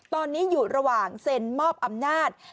ตอนนี้อยู่ระหว่างเซ็นมอบอำนาจ